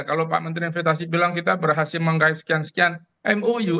kalau pak menteri investasi bilang kita berhasil mengkait sekian sekian mou